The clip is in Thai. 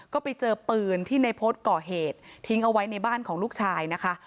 ก็ไปเจอปืนที่ในพจน์ก่อเหตุทิ้งเอาไว้ในบ้านของลูกชายนะคะ